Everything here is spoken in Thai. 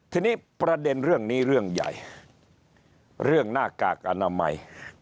ทีนี้ประเด็นเรื่องนี้เรื่องใหญ่เรื่องหน้ากากอนามัย